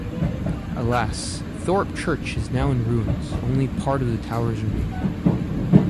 Alas, Thorpe church is now in ruins, only part of the tower remaining.